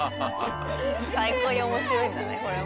最高に面白いんだねこれ。